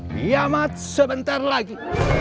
diamat sebentar lagi